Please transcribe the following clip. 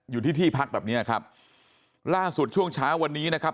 อยู่ที่ที่พักแบบเนี้ยครับล่าสุดช่วงเช้าวันนี้นะครับ